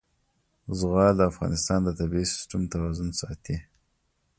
زغال د افغانستان د طبعي سیسټم توازن ساتي.